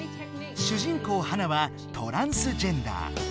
こうハナはトランスジェンダー。